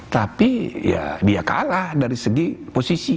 tapi ya dia kalah dari segi posisi